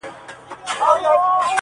دا پر سپین کتاب لیکلی سپین عنوان ته،